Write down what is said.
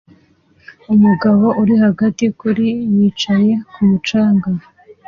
Umugabo uri hagati kuri yicaye kumu canga